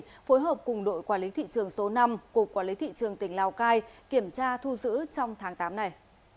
phối hợp cùng đội quản lý thị trường số năm của quản lý thị trường tỉnh lào cai kiểm tra thu giữ trong tháng tám này